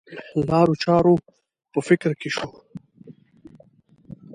لارو چارو په فکر کې شو.